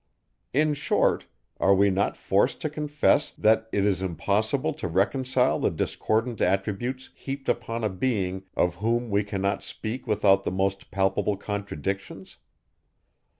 In short, are we not forced to confess, that it is impossible to reconcile the discordant attributes, heaped upon a being, of whom we cannot speak without the most palpable contradictions?